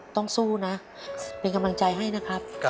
ต้องสู้นะเป็นกำลังใจให้นะครับ